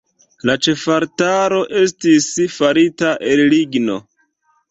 La ĉefaltaro estis farita el ligno.